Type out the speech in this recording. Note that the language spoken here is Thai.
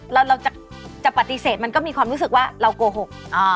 เราจะปฏิเสธมันก็มีความรู้สึกว่าเราโกหก